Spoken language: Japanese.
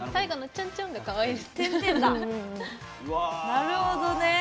なるほどね。